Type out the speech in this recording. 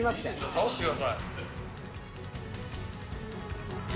倒してください。